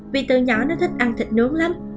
vì từ nhỏ nó thích ăn thịt nướng lắm